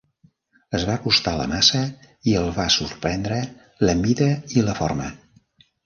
Es va acostar a la massa i el va sorprendre la mida i la forma.